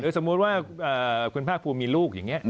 สมมุติว่าคุณภาคภูมิมีลูกอย่างนี้